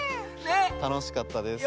たのしかったです。